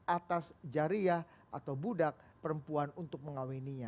atas jariah atau budak perempuan untuk mengawininya